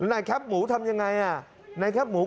แล้วนายครับกูทำยังไงอ่ะหน้าครับหมู